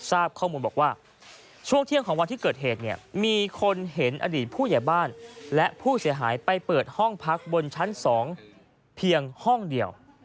ทราบข้อมูลบอกว่าช่วงเที่ยงของวันที่เกิดเหตุเนี่ยมีคนเห็นอดีตผู้ใหญ่บ้านและผู้เสียหายไปเปิดห้องพักบนชั้น๒เพียงห้องเดียว